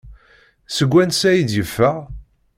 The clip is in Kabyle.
Seg wansi ay d-yeffeɣ?